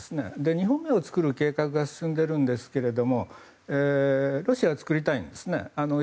２本目を作る計画が進んでいるんですけれどもロシアは作りたいんですね。